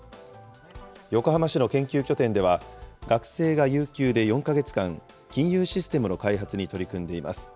横浜市の研究拠点では、学生が有給で４か月間、金融システムの開発に取り組んでいます。